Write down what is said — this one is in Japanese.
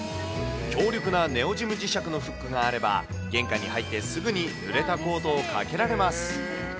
強力なネオジム磁石があれば、フックがあれば、玄関に入ってすぐにぬれたコートを掛けられます。